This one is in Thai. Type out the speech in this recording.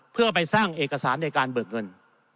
เพื่อไปสร้างเอกสารในการเบิกเงิน